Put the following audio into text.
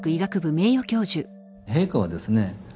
陛下はですね